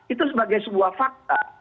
itu sebagai sebuah fakta